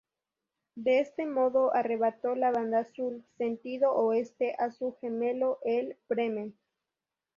De este modo arrebató la Banda Azul —sentido Oeste— a su gemelo el "Bremen".